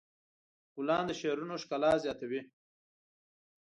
ګلان د شعرونو ښکلا زیاتوي.